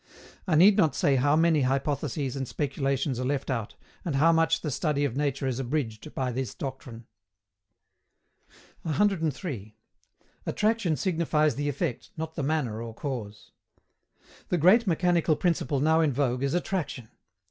I need not say how many hypotheses and speculations are left out, and how much the study of nature is abridged by this doctrine. 103. ATTRACTION SIGNIFIES THE EFFECT, NOT THE MANNER OR CAUSE. The great mechanical principle now in vogue is attraction.